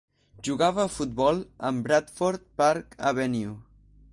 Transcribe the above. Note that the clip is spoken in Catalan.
Jugava a futbol amb Bradford Park Avenue.